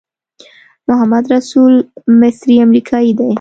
محمدرسول مصری امریکایی دی.